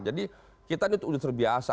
jadi kita ini itu udah terbiasa